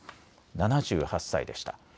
７８歳でした。